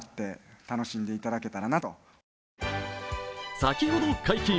先ほど解禁。